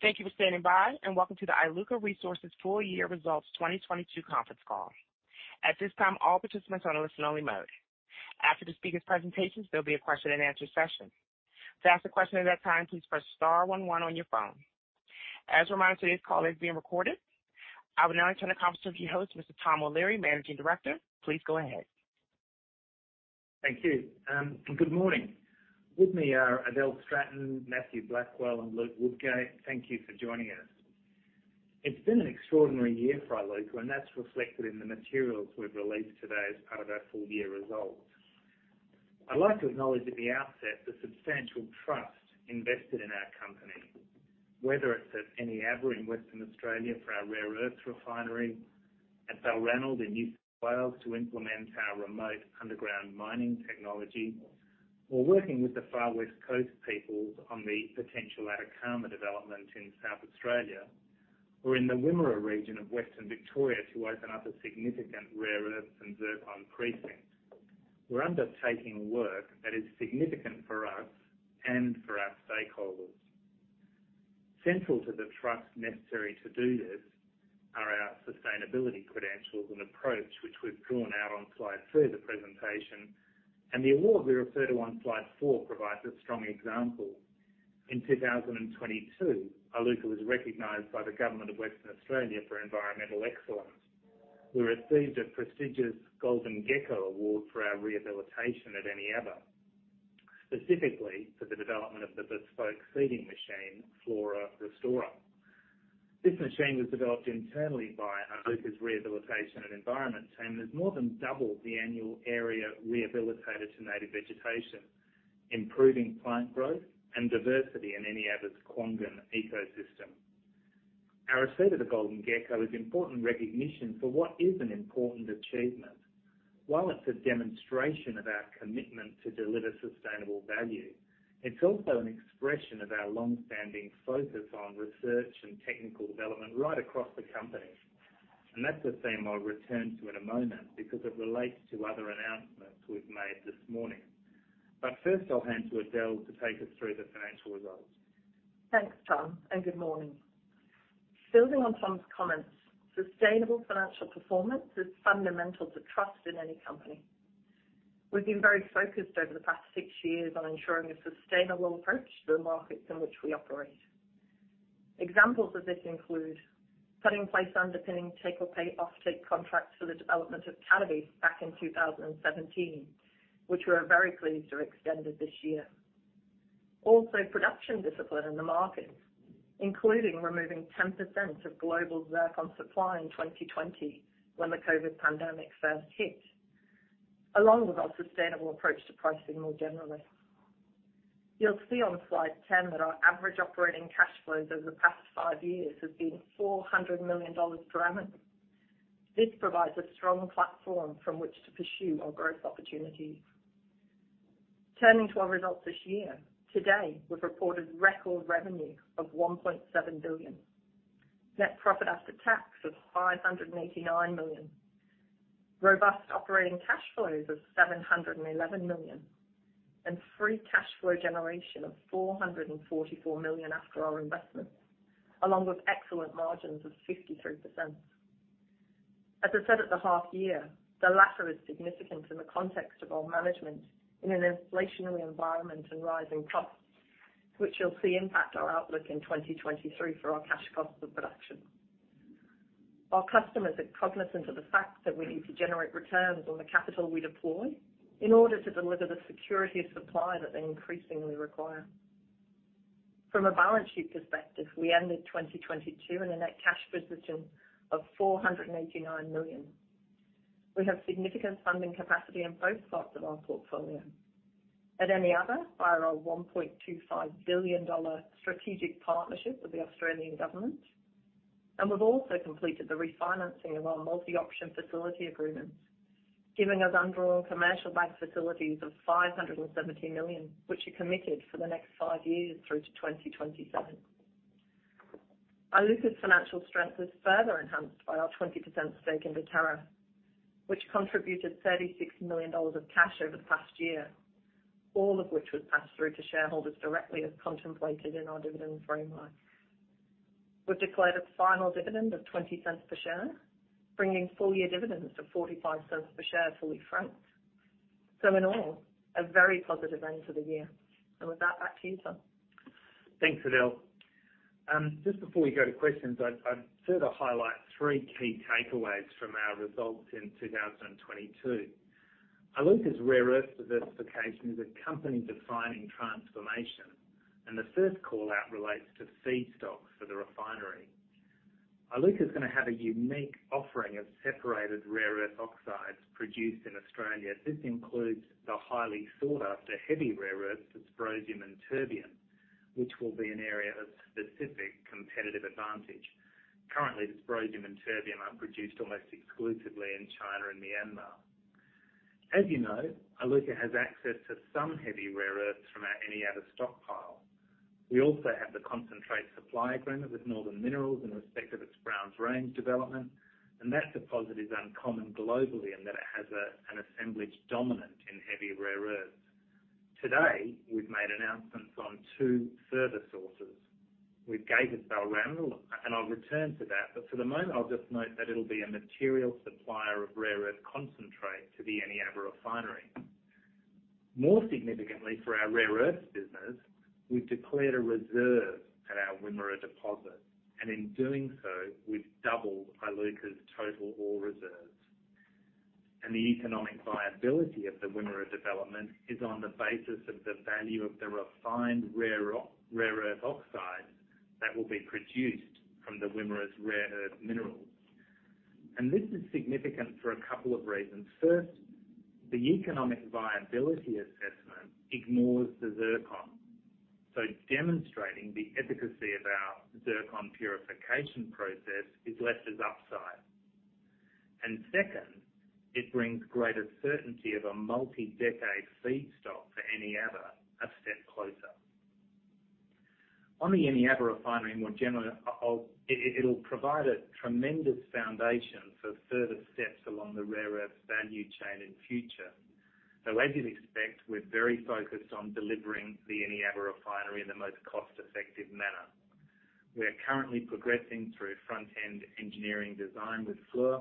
Thank you for standing by, and welcome to the Iluka Resources full year results 2022 conference call. At this time, all participants are on a listen only mode. After the speakers' presentations, there'll be a question and answer session. To ask a question at that time, please press star one one on your phone. As a reminder, today's call is being recorded. I will now turn the conference over to your host, Mr. Tom O'Leary, Managing Director. Please go ahead. Thank you, good morning. With me are Adele Stratton, Matthew Blackwell, and Luke Woodgate. Thank you for joining us. It's been an extraordinary year for Iluka, that's reflected in the materials we've released today as part of our full year results. I'd like to acknowledge at the outset the substantial trust invested in our company. Whether it's at Eneabba in Western Australia for our rare earths refinery, at Balranald in New South Wales to implement our remote underground mining technology, or working with the Far West Coast peoples on the potential Atacama development in South Australia, or in the Wimmera region of Western Victoria to open up a significant rare earths and zircon precinct. We're undertaking work that is significant for us and for our stakeholders. Central to the trust necessary to do this are our sustainability credentials and approach, which we've drawn out on slide three of the presentation. The award we refer to on slide four provides a strong example. In 2022, Iluka was recognized by the Government of Western Australia for environmental excellence. We received a prestigious Golden Gecko Award for our rehabilitation at Eneabba, specifically for the development of the bespoke seeding machine, Flora Restorer. This machine was developed internally by Iluka's rehabilitation and environment team, has more than doubled the annual area rehabilitated to native vegetation, improving plant growth and diversity in Eneabba's Kwongan ecosystem. Our receipt of the Golden Gecko is important recognition for what is an important achievement. While it's a demonstration of our commitment to deliver sustainable value, it's also an expression of our long-standing focus on research and technical development right across the company. That's a theme I'll return to in a moment because it relates to other announcements we've made this morning. First, I'll hand to Adele to take us through the financial results. Thanks, Tom. Good morning. Building on Tom's comments, sustainable financial performance is fundamental to trust in any company. We've been very focused over the past six years on ensuring a sustainable approach to the markets in which we operate. Examples of this include putting in place underpinning take-or-pay offtake contracts for the development of Cataby back in 2017, which we're very pleased to extend it this year. Production discipline in the markets, including removing 10% of global zircon supply in 2020 when the COVID pandemic first hit, along with our sustainable approach to pricing more generally. You'll see on slide 10 that our average operating cash flows over the past five years have been 400 million dollars per annum. This provides a strong platform from which to pursue our growth opportunities. Turning to our results this year, today, we've reported record revenue of 1.7 billion. Net profit after tax of 589 million. Robust operating cash flows of 711 million, free cash flow generation of 444 million after our investment, along with excellent margins of 53%. As I said at the half year, the latter is significant in the context of our management in an inflationary environment and rising costs, which you'll see impact our outlook in 2023 for our cash cost of production. Our customers are cognizant of the fact that we need to generate returns on the capital we deploy in order to deliver the security of supply that they increasingly require. From a balance sheet perspective, we ended 2022 in a net cash position of 489 million. We have significant funding capacity on both sides of our portfolio. At Eneabba, via our 1.25 billion dollar strategic partnership with the Australian Government, we've also completed the refinancing of our multi-option facility agreements, giving us undrawn commercial bank facilities of 570 million, which are committed for the next five years through to 2027. Iluka's financial strength is further enhanced by our 20% stake in Deterra Royalties, which contributed 36 million dollars of cash over the past year, all of which was passed through to shareholders directly as contemplated in our dividend framework. We've declared a final dividend of 0.20 per share, bringing full year dividends to 0.45 per share, fully franked. In all, a very positive end to the year. With that, back to you, Tom. Thanks, Adele. Just before we go to questions, I'd further highlight three key takeaways from our results in 2022. Iluka's rare earth diversification is a company defining transformation. The first call-out relates to feedstocks for the refinery. Iluka is going to have a unique offering of separated rare earth oxides produced in Australia. This includes the highly sought-after heavy rare earths dysprosium and terbium, which will be an area of specific competitive advantage. Currently, dysprosium and terbium are produced almost exclusively in China and Myanmar. As you know, Iluka has access to some heavy rare earths from our Eneabba stockpile. We also have the concentrate supply agreement with Northern Minerals in respect of its Browns Range development. That deposit is uncommon globally in that it has an assemblage dominant in heavy rare earths. Today, we've made announcements on two further sources. We've gated Balranald, and I'll return to that, but for the moment, I'll just note that it'll be a material supplier of rare earth concentrate to the Eneabba Refinery. More significantly for our rare earths business, we've declared a reserve at our Wimmera deposit. In doing so, we've doubled Iluka's total ore reserves. The economic viability of the Wimmera development is on the basis of the value of the refined rare earth oxide that will be produced from the Wimmera's rare earth minerals. This is significant for a couple of reasons. First, the economic viability assessment ignores the zircon. Demonstrating the efficacy of our zircon purification process is less as upside. Second, it brings greater certainty of a multi-decade feedstock for Eneabba a step closer. On the Eneabba Refinery, more generally, it'll provide a tremendous foundation for further steps along the rare earths value chain in future. As you'd expect, we're very focused on delivering the Eneabba Refinery in the most cost-effective manner. We are currently progressing through front-end engineering design with Fluor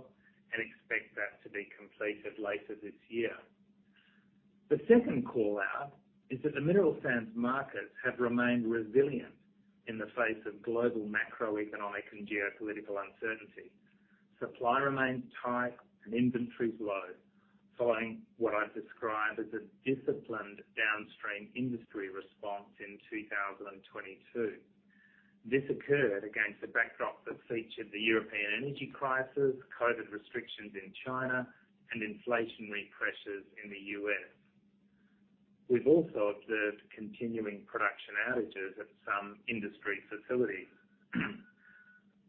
and expect that to be completed later this year. The second call-out is that the mineral sands markets have remained resilient in the face of global macroeconomic and geopolitical uncertainty. Supply remains tight and inventories low, following what I've described as a disciplined downstream industry response in 2022. This occurred against the backdrop that featured the European energy crisis, COVID restrictions in China, and inflationary pressures in the U.S.. We've also observed continuing production outages at some industry facilities.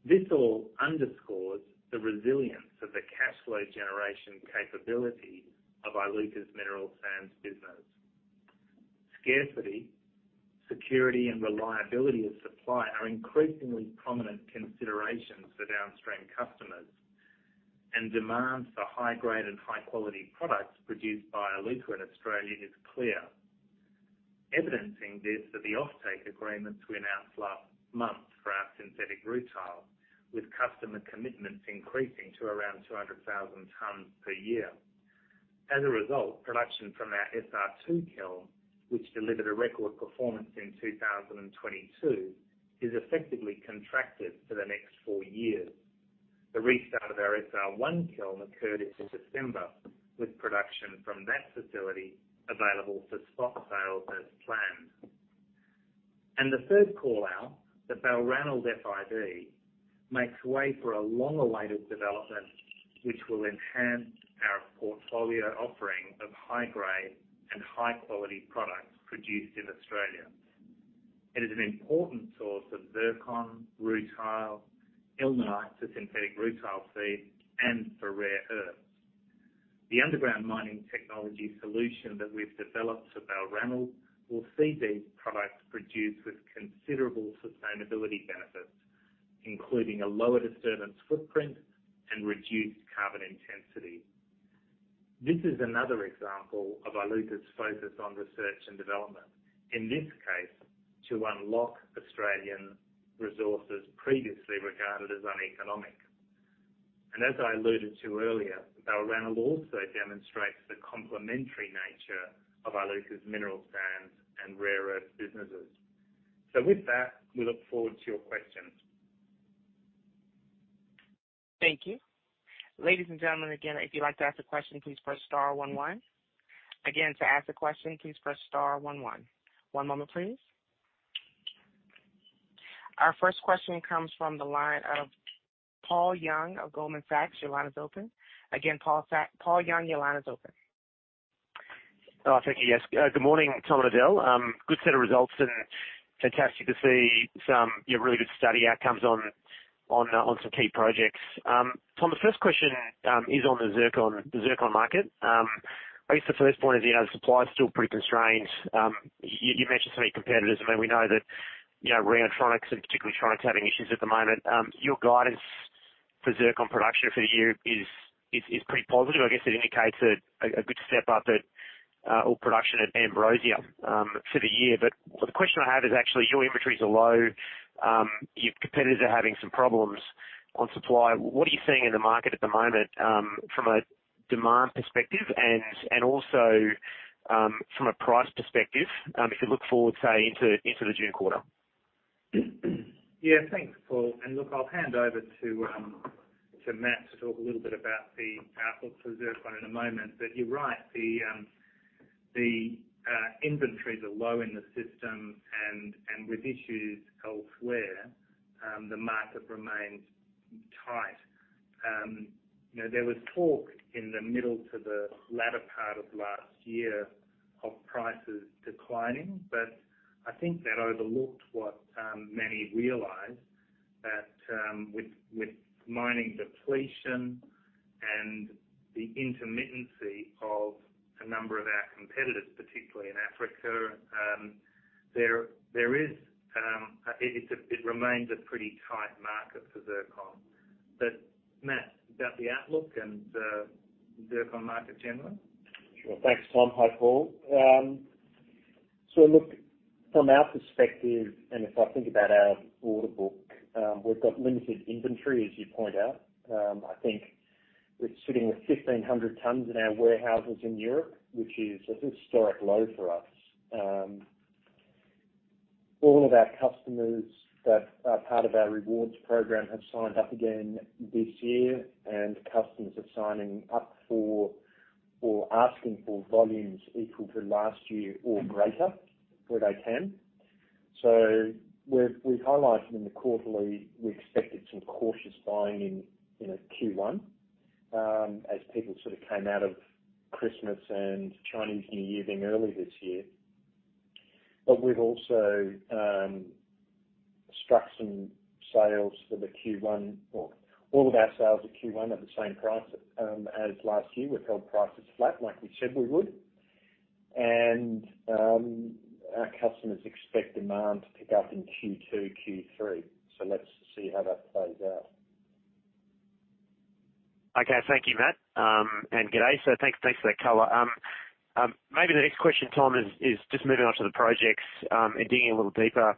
This all underscores the resilience of the cash flow generation capability of Iluka's mineral sands business. Scarcity, security, and reliability of supply are increasingly prominent considerations for downstream customers. Demands for high-grade and high-quality products produced by Iluka in Australia is clear. Evidencing this are the offtake agreements we announced last month for our synthetic rutile, with customer commitments increasing to around 200,000 tons per year. As a result, production from our SR2 kiln, which delivered a record performance in 2022, is effectively contracted for the next four years. The restart of our SR1 kiln occurred in December, with production from that facility available for spot sales as planned. The third call-out, the Balranald FID, makes way for a long-awaited development which will enhance our portfolio offering of high-grade and high-quality products produced in Australia. It is an important source of zircon, rutile, ilmenite for synthetic rutile feed, and for rare earths. The underground mining technology solution that we've developed for Balranald will see these products produced with considerable sustainability benefits, including a lower disturbance footprint and reduced carbon intensity. This is another example of Iluka's focus on research and development, in this case, to unlock Australian resources previously regarded as uneconomic. As I alluded to earlier, Balranald also demonstrates the complementary nature of Iluka's mineral sands and rare earths businesses. With that, we look forward to your questions. Thank you. Ladies and gentlemen, again, if you'd like to ask a question, please press star one one. Again, to ask a question, please press star one one. One moment, please. Our first question comes from the line of Paul Young of Goldman Sachs. Your line is open. Again, Paul Young, your line is open. Oh, thank you. Yes. Good morning, Tom and Adele. Good set of results and fantastic to see some, you know, really good study outcomes on some key projects. Tom, the first question is on the zircon market. I guess the first point is, you know, supply is still pretty constrained. You mentioned so many competitors. I mean, we know that, you know, Rare Element Resources and particularly China's having issues at the moment. Your guidance for zircon production for the year is pretty positive. I guess it indicates a good step up at ore production at Ambrosia for the year. The question I have is actually your inventories are low. Your competitors are having some problems on supply. What are you seeing in the market at the moment, from a demand perspective and also, from a price perspective, if you look forward, say, into the June quarter? Yeah. Thanks, Paul. Look, I'll hand over to Matt to talk a little bit about the outlook for zircon in a moment. You're right. The inventories are low in the system. With issues elsewhere, the market remains tight. You know, there was talk in the middle to the latter part of last year of prices declining, but I think that overlooked what many realized that with mining depletion and the intermittency of a number of our competitors, particularly in Africa, there is it remains a pretty tight market for zircon. Matt, about the outlook and the market generally. Sure. Thanks, Tom. Hi, Paul. Look, from our perspective, and if I think about our order book, we've got limited inventory, as you point out. I think we're sitting with 1,500 tons in our warehouses in Europe, which is a historic low for us. All of our customers that are part of our rewards program have signed up again this year, and customers are signing up for or asking for volumes equal to last year or greater where they can. We've highlighted in the quarterly, we expected some cautious buying in Q1, as people sort of came out of Christmas and Chinese New Year being early this year. We've also struck some sales for the Q1 or all of our sales at Q1 at the same price as last year. We've held prices flat, like we said we would. Our customers expect demand to pick up in Q2, Q3. Let's see how that plays out. Okay. Thank you, Matt. Good day. Thanks for that color. Maybe the next question, Tom, is just moving on to the projects, and digging a little deeper,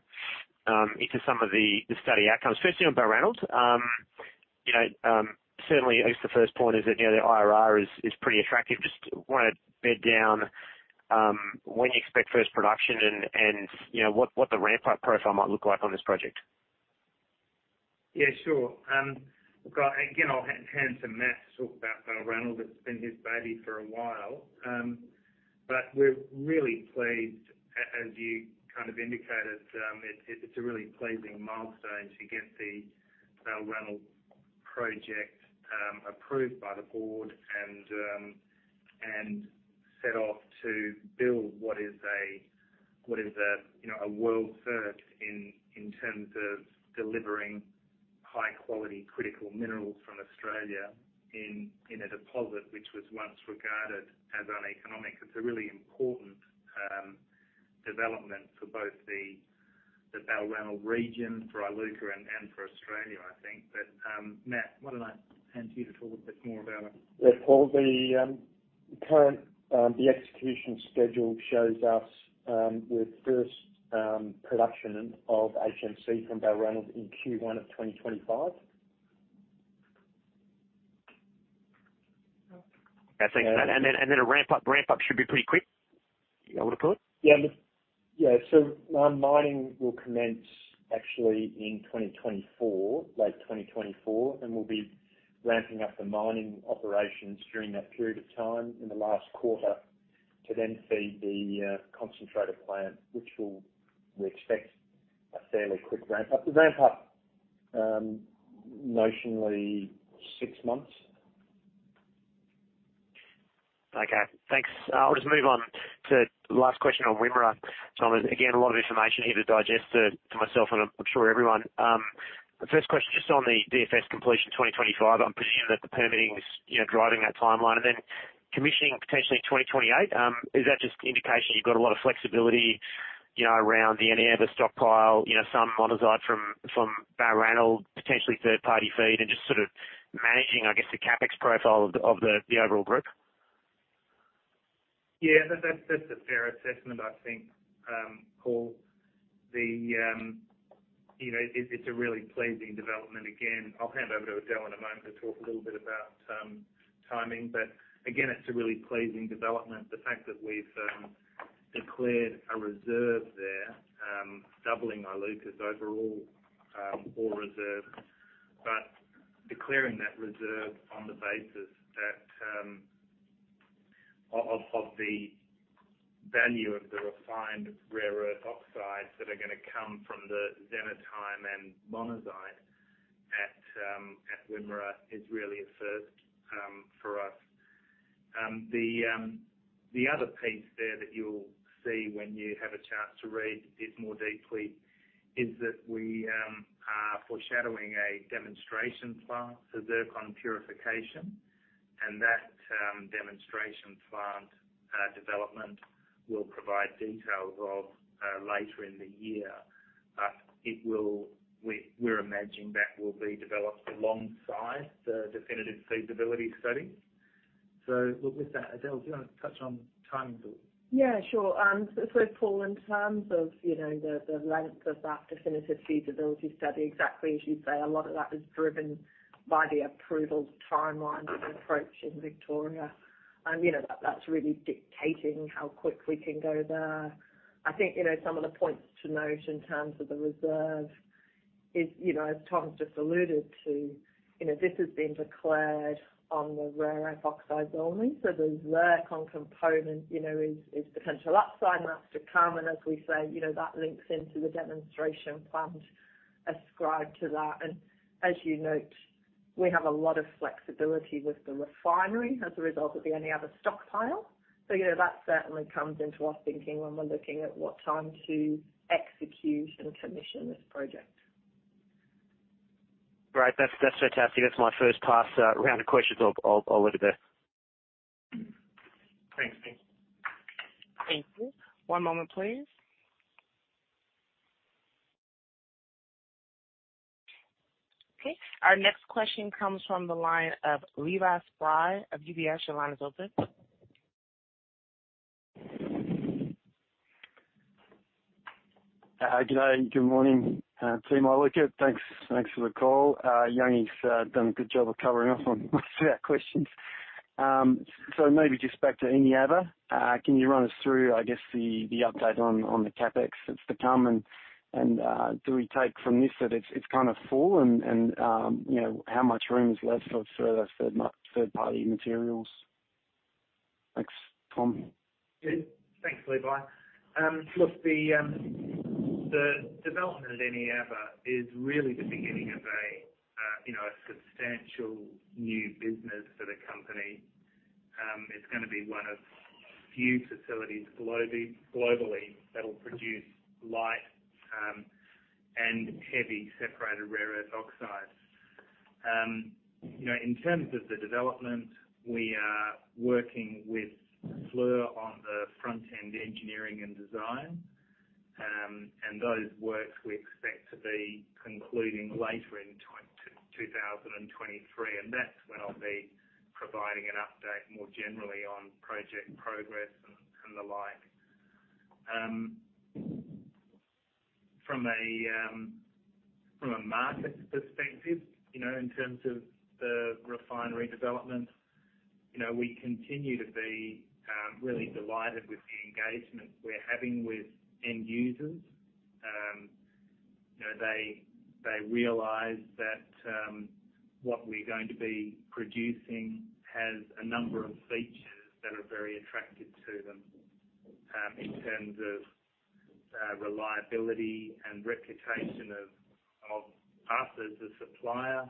into some of the study outcomes, firstly on Balranald. You know, certainly I guess the first point is that, you know, the IRR is pretty attractive. Just want to bed down, when you expect first production and, you know, what the ramp-up profile might look like on this project. Yeah, sure. Again, I'll hand to Matt to talk about Balranald. It's been his baby for a while. We're really pleased as you kind of indicated, it's a really pleasing milestone to get the Balranald project approved by the board and set off to build what is a, you know, a world first in terms of delivering high quality critical minerals from Australia in a deposit which was once regarded as uneconomic. It's a really important development for both the Balranald region, for Iluka and for Australia, I think. Matt, why don't I hand to you to talk a bit more about it? Yeah, Paul, the current execution schedule shows us with first production of HMC from Balranald in Q1 of 2025. I think, and then a ramp up should be pretty quick, you're able to put? Yeah. Yeah. Mining will commence actually in 2024, late 2024, we'll be ramping up the mining operations during that period of time in the last quarter to then feed the concentrator plant, which we expect a fairly quick ramp up. The ramp up, notionally six months. Okay. Thanks. I'll just move on to last question on Wimmera. Tom, again, a lot of information here to digest to myself, and I'm sure everyone. The first question, just on the DFS completion 2025, I'm presuming that the permitting is, you know, driving that timeline and then commissioning potentially in 2028. Is that just indication you've got a lot of flexibility, you know, around the Eneabba stockpile, you know, some monazite from Balranald, potentially third-party feed and just sort of managing, I guess, the CapEx profile of the overall group? Yeah. That's a fair assessment, I think, Paul. You know, it's a really pleasing development. Again, I'll hand over to Adele in a moment to talk a little bit about timing. Again, it's a really pleasing development. The fact that we've declared a reserve there, doubling Iluka's overall ore reserve. Declaring that reserve on the basis that of the value of the refined rare earth oxides that are gonna come from the xenotime and monazite at Wimmera is really a first for us. The other piece there that you'll see when you have a chance to read this more deeply is that we are foreshadowing a demonstration plant for zircon purification, and that demonstration plant development will provide details of later in the year. We're imagining that will be developed alongside the definitive feasibility study. With that, Adele, do you wanna touch on timing at all? Yeah, sure. Paul, in terms of, you know, the length of that definitive feasibility study, exactly as you say, a lot of that is driven by the approval timeline approach in Victoria. You know, that's really dictating how quick we can go there. I think, you know, some of the points to note in terms of the reserve is, you know, as Tom just alluded to, you know, this has been declared on the rare earth oxides only. The zircon component, you know, is potential upside and that's to come. As we say, you know, that links into the demonstration plant ascribed to that. As you note, we have a lot of flexibility with the refinery as a result of the Eneabba stockpile. You know, that certainly comes into our thinking when we're looking at what time to execute and commission this project. Great. That's fantastic. That's my first pass round of questions. I'll leave it there. Thanks. Thank you. Thank you. One moment, please. Okay, our next question comes from the line of Levi Spry of UBS. Your line is open. G'day, good morning, team Iluka. Thanks for the call. Yongie's done a good job of covering off on most of our questions. Maybe just back to Eneabba. Can you run us through, I guess, the update on the CapEx that's to come? Do we take from this that it's kind of full and, you know, how much room is left for further third-party materials? Thanks. Tom. Thanks, Levi. Look, the development at Eneabba is really the beginning of a, you know, a substantial new business for the company. It's gonna be one of few facilities globally that'll produce light and heavy separated rare earth oxides. You know, in terms of the development, we are working with Fluor on the Front-End Engineering Design. Those works we expect to be concluding later in 2023, and that's when I'll be providing an update more generally on project progress and the like. From a market perspective, you know, in terms of the refinery development, you know, we continue to be really delighted with the engagement we're having with end users. You know, they realize that what we're going to be producing has a number of features that are very attractive to them, in terms of reliability and reputation of us as a supplier.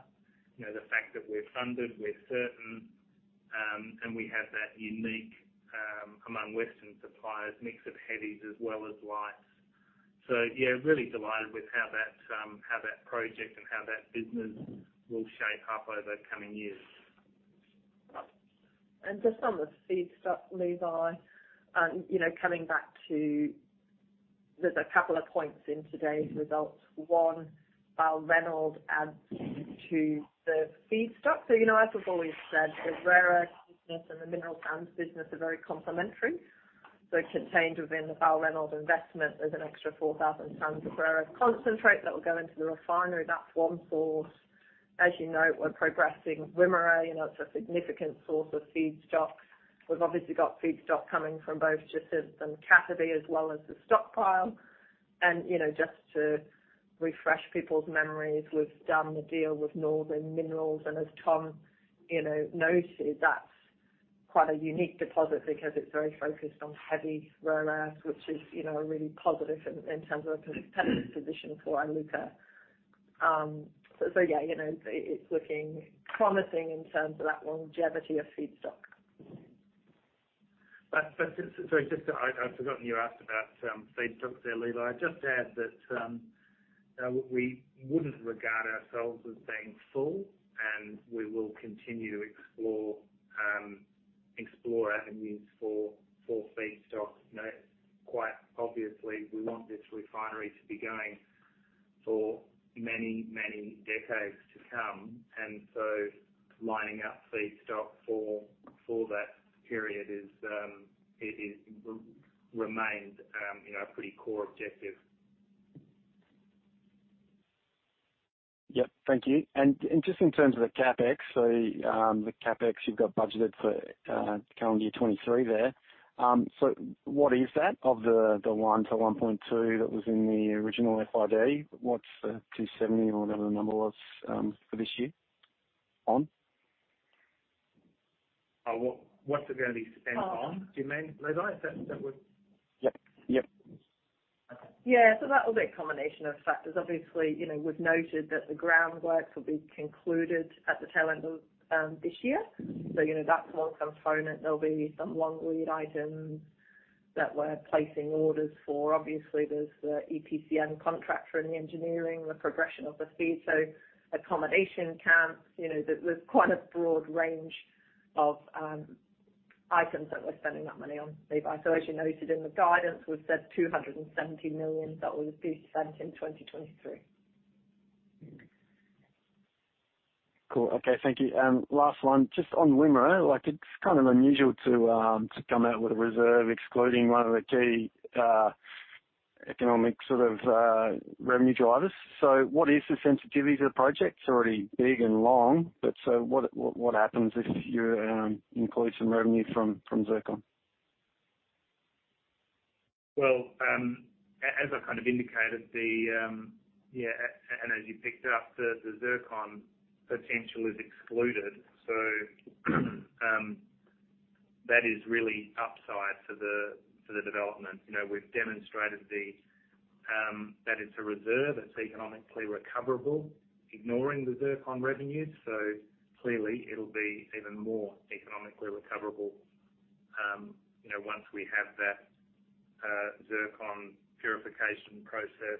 You know, the fact that we're funded, we're certain, and we have that unique, among Western suppliers, mix of heavies as well as lights. Really delighted with how that project and how that business will shape up over coming years. Just on the feedstock, Levi, you know, there's a couple of points in today's results. One, Balranald adds to the feedstock. You know, as we've always said, the rare earth business and the mineral sands business are very complementary. Contained within the Balranald investment, there's an extra 4,000 tons of rare earth concentrate that will go into the refinery. That's one source. As you know, we're progressing Wimmera. You know, it's a significant source of feedstock. We've obviously got feedstock coming from both Jacinth and Cataby, as well as the stockpile. You know, just to refresh people's memories, we've done the deal with Northern Minerals, and as Tom, you know, noted, that's quite a unique deposit because it's very focused on heavy rare earths, which is, you know, a really positive in terms of a competitive position for Iluka. So yeah, you know, it's looking promising in terms of that longevity of feedstock. Just I'd forgotten you asked about feedstock there, Levi. I'd just add that we wouldn't regard ourselves as being full, and we will continue to explore avenues for feedstock. You know, quite obviously, we want this refinery to be going for many, many decades to come. Lining up feedstock for that period is, it is remained, you know, a pretty core objective. Yep. Thank you. Just in terms of the CapEx, the CapEx you've got budgeted for, calendar year 2023 there. What is that? Of the 1 million-1.2 million that was in the original FEED, what's the 270 million or whatever the number was, for this year on? What's it gonna be spent on, do you mean, Levi? Is that what? Yep. Yep. Yeah. That was a combination of factors. Obviously, you know, we've noted that the groundworks will be concluded at the tail end of this year. You know, that's one component. There'll be some long lead items that we're placing orders for. Obviously, there's the EPCM contract for the engineering, the progression of the FEED. Accommodation camps, you know, there's quite a broad range of items that we're spending that money on, Levi. As you noted in the guidance, we've said 270 million that will be spent in 2023. Cool. Okay. Thank you. Last one, just on Wimmera, like, it's kind of unusual to come out with a reserve excluding one of the key economic sort of revenue drivers. What is the sensitivity to the project? It's already big and long, what happens if you include some revenue from zircon? As I kind of indicated, yeah, and as you picked up, the zircon potential is excluded. That is really upside for the development. You know, we've demonstrated the that it's a reserve, it's economically recoverable, ignoring the zircon revenues. Clearly it'll be even more economically recoverable, you know, once we have that zircon purification process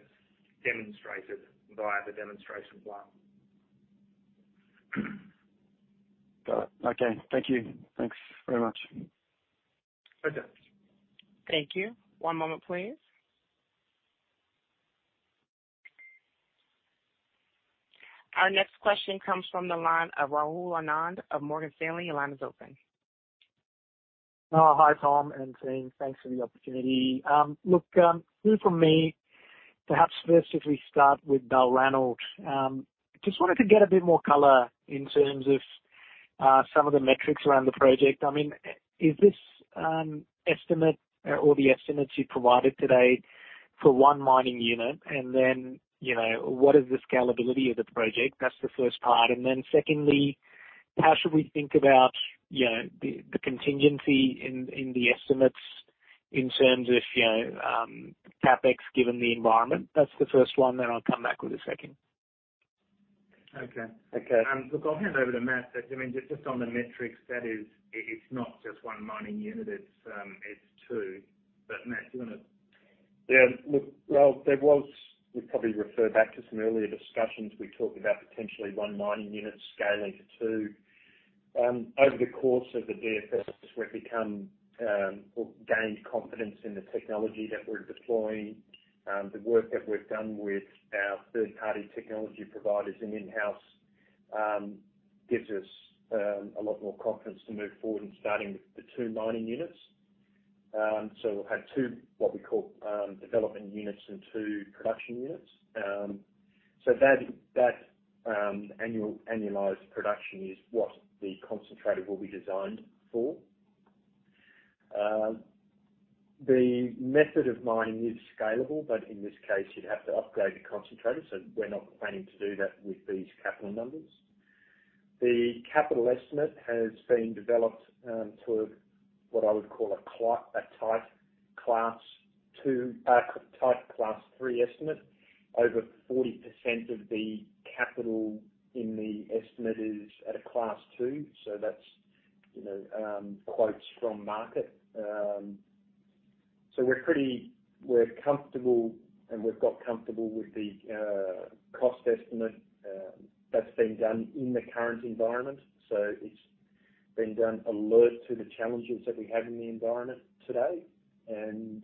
demonstrated via the demonstration plant. Okay, thank you. Thanks very much. Adele. Thank you. One moment, please. Our next question comes from the line of Rahul Anand of Morgan Stanley. Your line is open. Hi, Tom and team. Thanks for the opportunity. Look, two from me. Perhaps first, if we start with Balranald, just wanted to get a bit more color in terms of some of the metrics around the project. I mean, is this estimate or the estimates you provided today for one mining unit? You know, what is the scalability of the project? That's the first part. Secondly, how should we think about, you know, the contingency in the estimates in terms of, you know, CapEx, given the environment? That's the first one. I'll come back with a second. Okay. Okay. Look, I'll hand over to Matt. I mean, just on the metrics, that is, it's not just one mining unit, it's two. Matt, do you wanna... We probably refer back to some earlier discussions. Over the course of the DFS, we've become or gained confidence in the technology that we're deploying. The work that we've done with our third-party technology providers and in-house gives us a lot more confidence to move forward in starting the two mining units. We'll have two, what we call, development units and two production units. That, that annualized production is what the concentrator will be designed for. The method of mining is scalable, but in this case, you'd have to upgrade the concentrator, so we're not planning to do that with these capital numbers. The capital estimate has been developed to what I would call a type Class 2, type Class 3 estimate. Over 40% of the capital in the estimate is at a Class 2, so that's, you know, quotes from market. We're pretty comfortable, and we've got comfortable with the cost estimate that's been done in the current environment. It's been done alert to the challenges that we have in the environment today. There's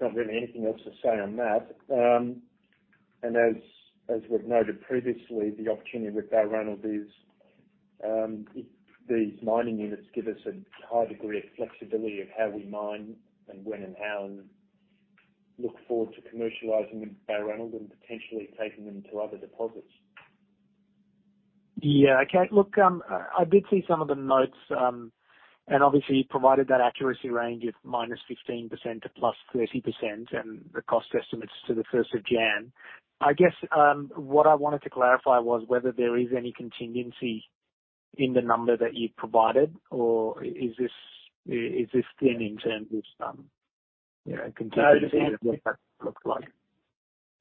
not really anything else to say on that. As we've noted previously, the opportunity with Balranald is these mining units give us a high degree of flexibility of how we mine and when and how, and look forward to commercializing with Balranald and potentially taking them to other deposits. Yeah. Okay. Look, I did see some of the notes, and obviously you provided that accuracy range of -15% to +30% and the cost estimates to the 1st of January. I guess, what I wanted to clarify was whether there is any contingency in the number that you provided or is this thin in terms of some, you know, contingency look like?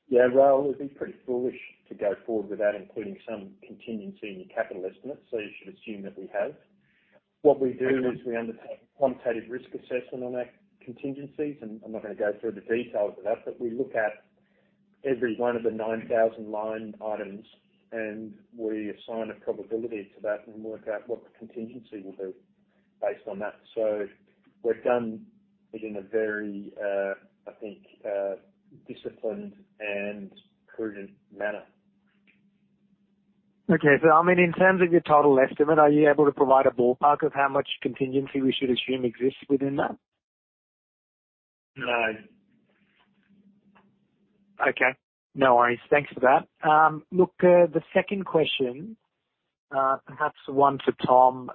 Yeah, well, it'd be pretty foolish to go forward without including some contingency in your capital estimate, so you should assume that we have. What we do is we undertake a quantitative risk assessment on our contingencies, and I'm not gonna go through the details of that, but we look at every one of the 9,000 line items, and we assign a probability to that and work out what the contingency will be based on that. We've done it in a very, I think, disciplined and prudent manner. I mean, in terms of your total estimate, are you able to provide a ballpark of how much contingency we should assume exists within that? No. Okay. No worries. Thanks for that. Look, the second question, perhaps one for Tom,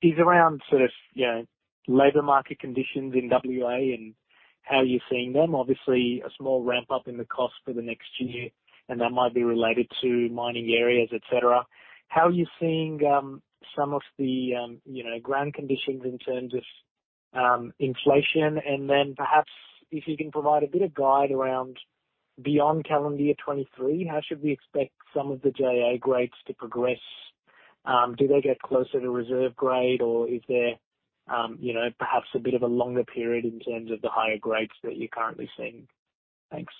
is around sort of, you know, labor market conditions in WA and how you're seeing them. Obviously, a small ramp-up in the cost for the next year, and that might be related to mining areas, et cetera. How are you seeing some of the, you know, ground conditions in terms of inflation? Perhaps if you can provide a bit of guide around beyond calendar year 2023, how should we expect some of the JA grades to progress? Do they get closer to reserve grade or is there, you know, perhaps a bit of a longer period in terms of the higher grades that you're currently seeing? Thanks.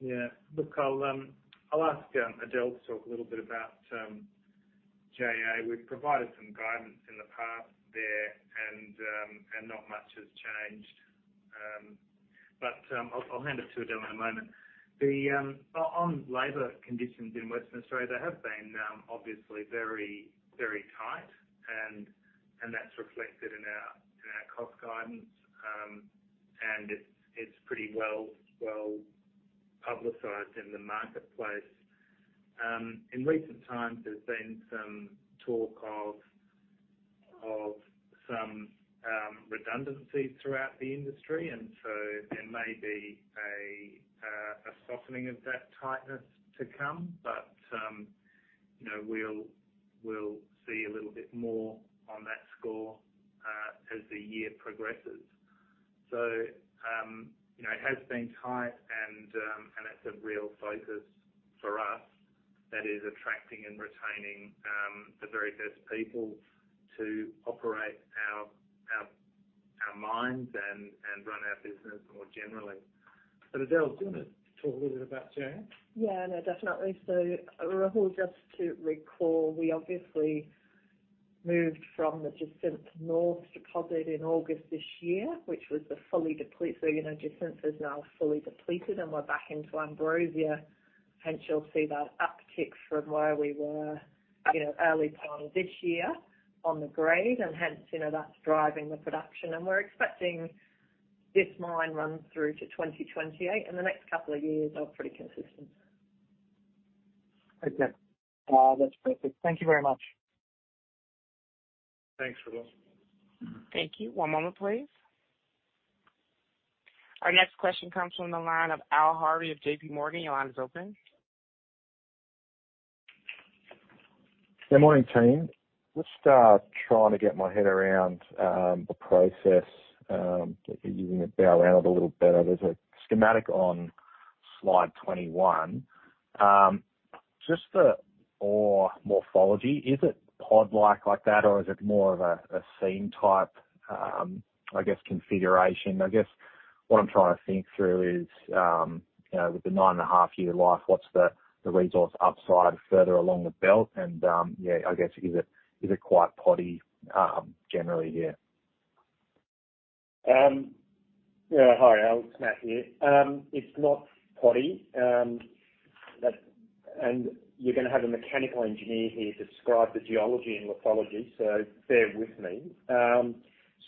Yeah. Look, I'll ask Adele to talk a little bit about JA. We've provided some guidance in the past there, and not much has changed. I'll hand it to Adele in a moment. The on labor conditions in Western Australia, they have been obviously very tight and that's reflected in our cost guidance. It's pretty well-publicized in the marketplace. In recent times, there's been some talk of some redundancies throughout the industry, there may be a softening of that tightness to come. You know, we'll see a little bit more on that score as the year progresses. You know, it has been tight and it's a real focus for us that is attracting and retaining, the very best people to operate our lines and run our business more generally. Adele, do you wanna talk a little bit about Wimmera? Yeah, no, definitely. Rahul, just to recall, we obviously moved from the Jacinth North deposit in August this year, which was the fully depleted. you know, Jacinth-Ambrosia's now fully depleted, and we're back into Ambrosia. you'll see that uptick from where we were, you know, early on this year on the grade, and hence, you know, that's driving the production. we're expecting this mine run through to 2028, and the next couple of years are pretty consistent. Okay. That's perfect. Thank you very much. Thanks, Rahul. Thank you. One moment, please. Our next question comes from the line of Al Harvey of JPMorgan. Your line is open. Good morning, team. Let's start trying to get my head around the process that you're using at Balranald a little better. There's a schematic on slide 21. Just the ore morphology, is it pod-like like that, or is it more of a seam type, I guess, configuration? I guess what I'm trying to think through is, you know, with the 9.5 year life, what's the resource upside further along the belt? Yeah, I guess, is it quite poddy, generally here? Yeah. Hi, Al. It's Matt here. It's not poddy. You're gonna have a mechanical engineer here describe the geology and lithology, so bear with me.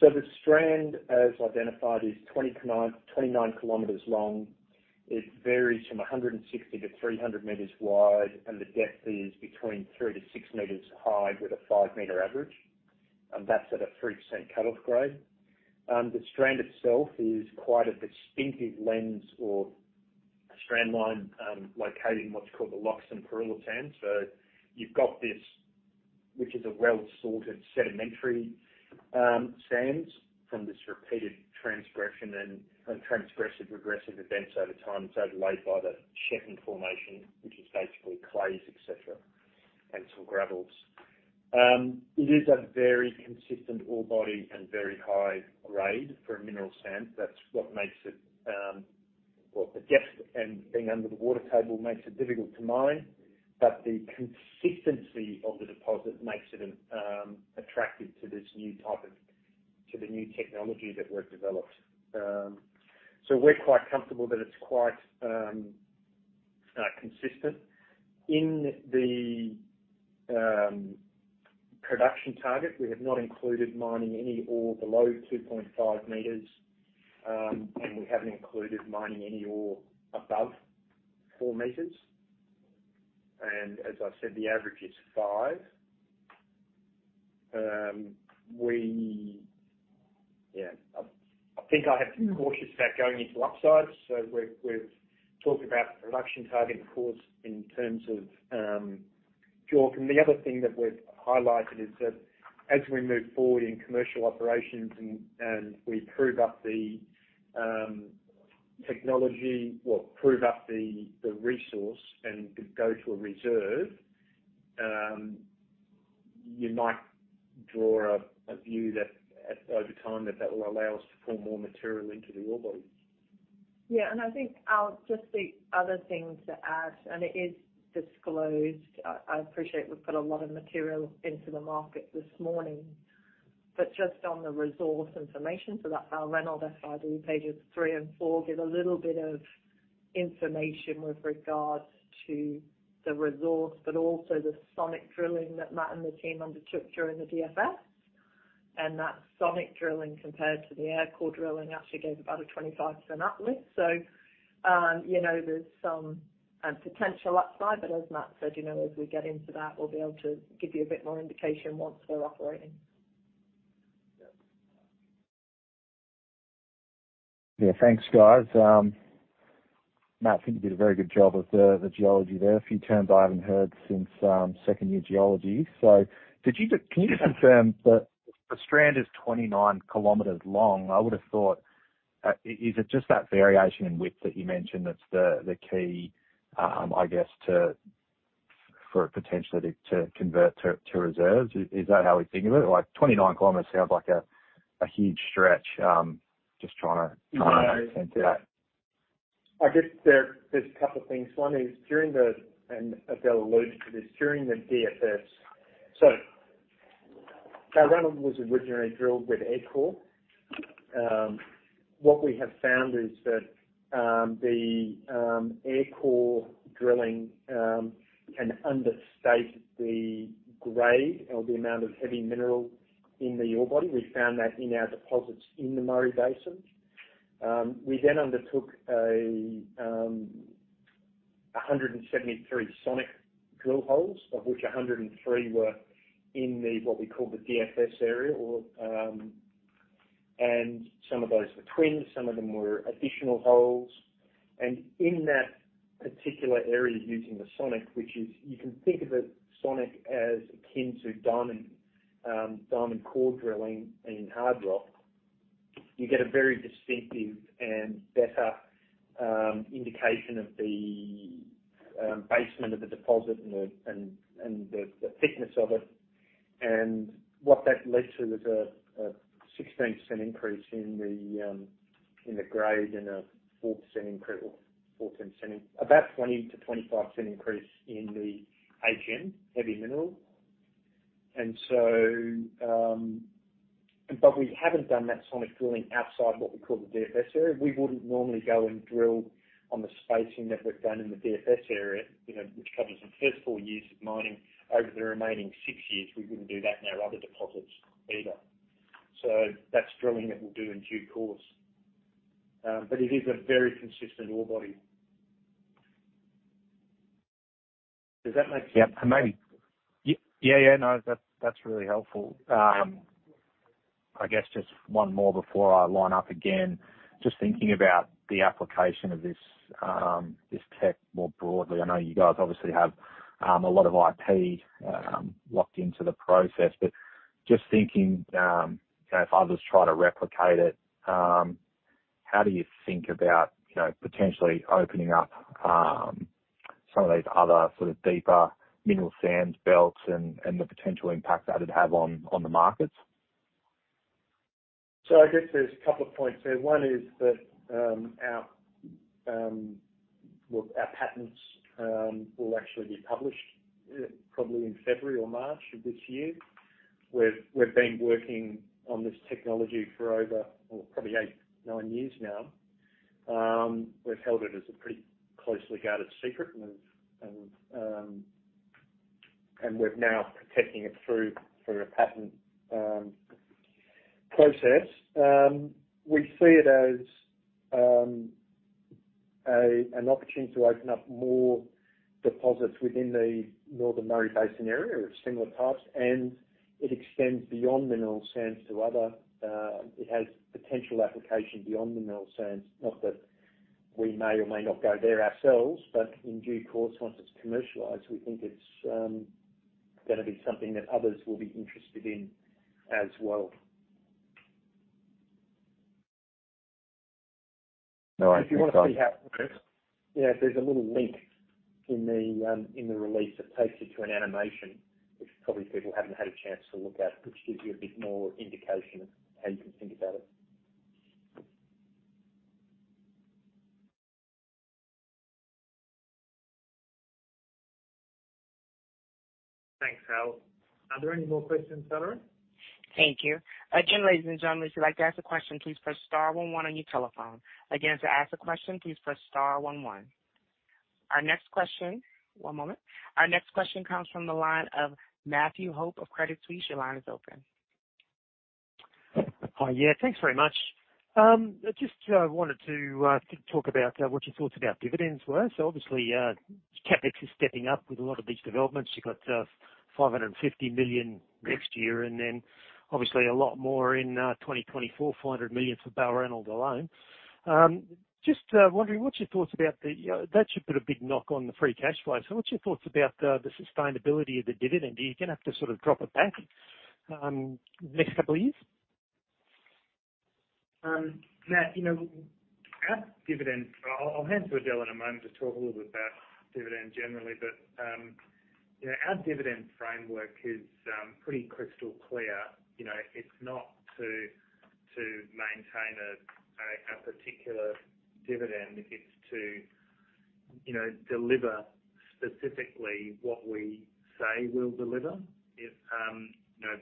The strand, as identified, is 29 km long. It varies from 160 meters-300 meters wide, and the depth is between 3 meters-6 meters high, with a 5-meter average. That's at a 3% cutoff grade. The strand itself is quite a distinctive lens or a strand line, locating what's called the Loxton-Parilla Sands. You've got this, which is a well-sorted sedimentary sands from this repeated transgression and transgressive-regressive events over time. It's overlaid by the Shepparton Formation, which is basically clays, et cetera, and some gravels. It is a very consistent ore body and very high grade for a mineral sand. That's what makes it. Well, the depth and being under the water table makes it difficult to mine, but the consistency of the deposit makes it attractive to the new technology that we've developed. We're quite comfortable that it's quite consistent. In the production target, we have not included mining any ore below 2.5 meters, and we haven't included mining any ore above 4 meters. As I said, the average is 5 meters. Yeah, I think I have to be cautious about going into upsides. We've talked about the production target, of course, in terms of JA. The other thing that we've highlighted is that as we move forward in commercial operations and we prove up the technology, prove up the resource and go to a reserve, you might draw a view that over time, that will allow us to pull more material into the ore body. Yeah. I think, Al, just the other thing to add, and it is disclosed. I appreciate we've put a lot of material into the market this morning. Just on the resource information, so that's our Reynold SRD, pages three and four, give a little bit of information with regards to the resource, but also the sonic drilling that Matt and the team undertook during the DFS. That sonic drilling compared to the air core drilling actually gave about a 25% uplift. You know, there's some potential upside, but as Matt said, you know, as we get into that, we'll be able to give you a bit more indication once we're operating. Yeah. Yeah. Thanks, guys. Matt, I think you did a very good job of the geology there. A few terms I haven't heard since, second year geology. Can you just confirm that the strand is 29 km long? I would've thought, is it just that variation in width that you mentioned that's the key, I guess to, for it potentially to convert to reserves? Is, is that how we think of it? Like 29 km sounds like a huge stretch. No. Try and get my head around that. I guess there's a couple things. One is Adele alluded to this, during the DFS. Reynold was originally drilled with air core. What we have found is that the air core drilling can understate the grade or the amount of heavy mineral in the ore body. We found that in our deposits in the Murray Basin. We undertook a 173 sonic drill holes, of which 103 were in the, what we call the DFS area or. Some of those were twins, some of them were additional holes. In that particular area using the sonic, which is, you can think of a sonic as akin to diamond core drilling in hard rock. You get a very distinctive and better indication of the basement of the deposit and the thickness of it. What that led to was a 16% increase in the grade and a 14% about 20%-25% increase in the HM, heavy mineral. We haven't done that sonic drilling outside what we call the DFS area. We wouldn't normally go and drill on the spacing that we've done in the DFS area, you know, which covers the first four years of mining over the remaining six years. We wouldn't do that in our other deposits either. That's drilling that we'll do in due course. It is a very consistent ore body. Does that make sense? Yeah. Maybe. Yeah, yeah. No, that's really helpful. I guess just one more before I line up again. Just thinking about the application of this tech more broadly. I know you guys obviously have, a lot of IP, locked into the process, but just thinking, you know, if others try to replicate it, how do you think about, you know, potentially opening up, some of these other sort of deeper mineral sands belts and the potential impact that it have on the markets? I guess there's a couple of points there. One is that, well, our patents will actually be published probably in February or March of this year. We've been working on this technology for over, well, probably eight, nine years now. We've held it as a pretty closely guarded secret and we're now protecting it through a patent process. We see it as an opportunity to open up more deposits within the Northern Murray Basin area of similar types, and it has potential application beyond the mineral sands. Not that we may or may not go there ourselves, but in due course, once it's commercialized, we think it's gonna be something that others will be interested in as well. No, I think. If you wanna see how- Okay. You know, there's a little link in the release that takes you to an animation, which probably people haven't had a chance to look at, which gives you a bit more indication of how you can think about it. Thanks, Al. Are there any more questions, operator? Thank you. Again, ladies and gentlemen, if you'd like to ask a question, please press star one one on your telephone. Again, to ask a question, please press star one one. One moment. Our next question comes from the line of Matthew Hope of Credit Suisse. Your line is open. Hi. Yeah, thanks very much. I just wanted to talk about what your thoughts about dividends were. Obviously, CapEx is stepping up with a lot of these developments. You've got 550 million next year, and then obviously a lot more in 2024, 500 million for Balranald alone. That should put a big knock on the free cash flow. What's your thoughts about the sustainability of the dividend? Are you gonna have to sort of drop it back next couple of years? Matt, I'll hand to Adele in a moment to talk a little bit about dividend generally. You know, our dividend framework is pretty crystal clear. You know, it's not to maintain a particular dividend. It's to, you know, deliver specifically what we say we'll deliver. It's, you know,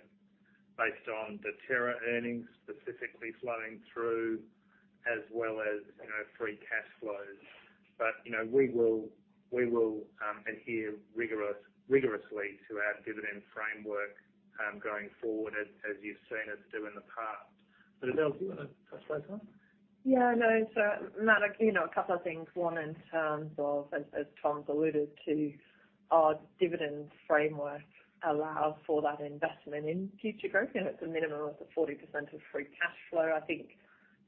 based on Deterra earnings specifically flowing through as well as, you know, free cash flows. You know, we will adhere rigorously to our dividend framework going forward as you've seen us do in the past. Adele, do you wanna touch base on it? Yeah. No, Matt, you know, a couple of things. One, in terms of as Tom's alluded to, our dividend framework allows for that investment in future growth, you know, at the minimum of the 40% of free cash flow. I think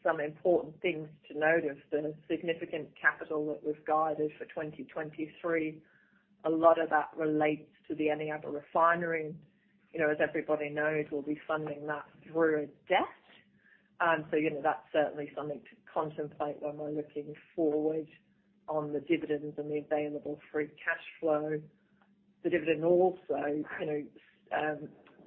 some important things to note is the significant capital that we've guided for 2023, a lot of that relates to the Eneabba refinery. You know, as everybody knows, we'll be funding that through a debt. You know, that's certainly something to contemplate when we're looking forward on the dividends and the available free cash flow. The dividend also, you know,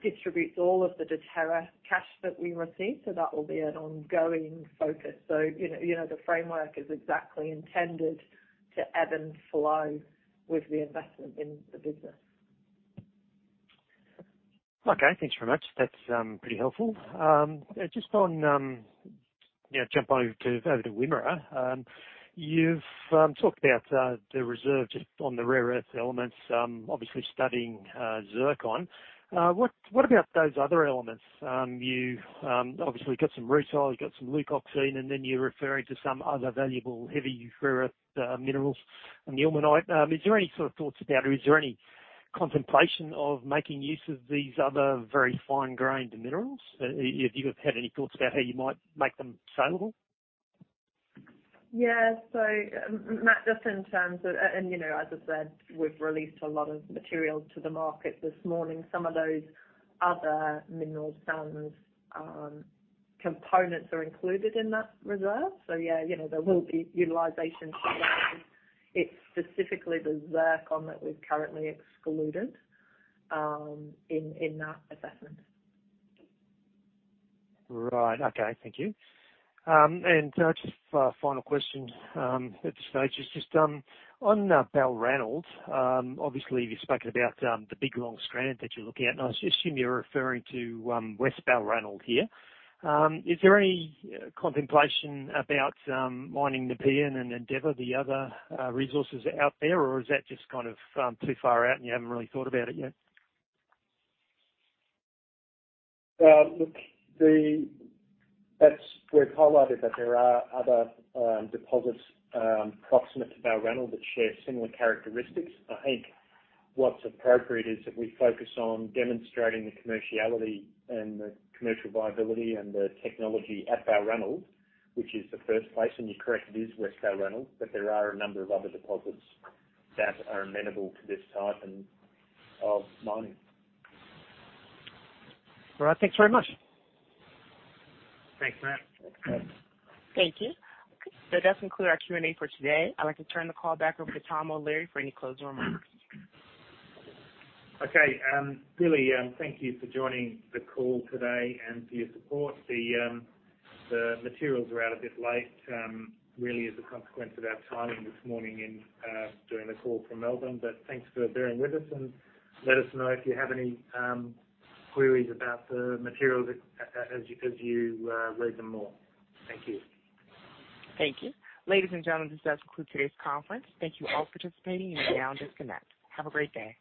distributes all of the Deterra cash that we receive, so that will be an ongoing focus. You know, you know, the framework is exactly intended to ebb and flow with the investment in the business. Okay. Thanks very much. That's pretty helpful. Just on, you know, jump over to Wimmera. You've talked about the reserve just on the rare earth elements, obviously studying zircon. What about those other elements? You obviously got some rutile, you got some leucoxene, and then you're referring to some other valuable heavy rare earth minerals and the ilmenite. Is there any sort of thoughts about it? Is there any contemplation of making use of these other very fine-grained minerals? Have you guys had any thoughts about how you might make them saleable? Yeah. Matt, just in terms of. You know, as I said, we've released a lot of material to the market this morning. Some of those other mineral sands components are included in that reserve. Yeah, you know, there will be utilization. It's specifically the zircon that we've currently excluded in that assessment. Right. Okay. Thank you. Just a final question at this stage is just on Balranald, obviously you've spoken about the big, long strand that you're looking at, and I assume you're referring to West Balranald here. Is there any contemplation about mining the Nepean and Endeavor, the other resources out there? Is that just kind of too far out, and you haven't really thought about it yet? We've highlighted that there are other deposits proximate to Balranald that share similar characteristics. I think what's appropriate is that we focus on demonstrating the commerciality and the commercial viability and the technology at Balranald, which is the first place. You're correct, it is West Balranald. There are a number of other deposits that are amenable to this type and of mining. All right, thanks very much. Thanks, Matt. Thank you. That's conclude our Q&A for today. I'd like to turn the call back over to Tom O'Leary for any closing remarks. Okay. Really, thank you for joining the call today and for your support. The, the materials are out a bit late, really as a consequence of our timing this morning in, doing the call from Melbourne. Thanks for bearing with us, and let us know if you have any, queries about the materials as you read them more. Thank you. Thank you. Ladies and gentlemen, this does conclude today's conference. Thank you all for participating. You may now disconnect. Have a great day.